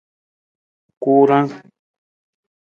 Kuurang.